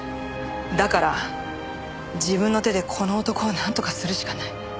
だから自分の手でこの男をなんとかするしかない。